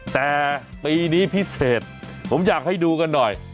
แต่ปีนี้พิเศษผมอยากให้ดูกันหน่อย